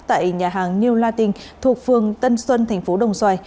tại nhà hàng new latin thuộc phường tân xuân thành phố đồng xoài